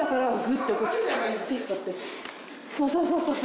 そうそうそうそう。